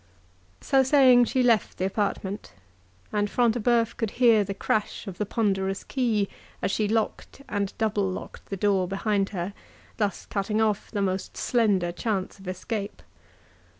So saying, she left the apartment; and Front de Bœuf could hear the crash of the ponderous key, as she locked and double locked the door behind her, thus cutting off the most slender chance of escape.